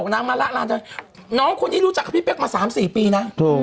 น้ำน้ำต้องกวงน้องคนนี้รู้จักพี่เป๊๊กมา๓๔ปีนะ